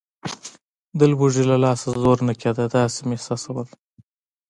د لوږې له لاسه زور نه کېده، داسې مې احساسول.